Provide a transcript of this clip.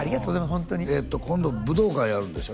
ホントに今度武道館やるんでしょ？